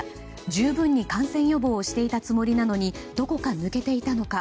十分に感染予防をしていたつもりなのにどこか抜けていたのか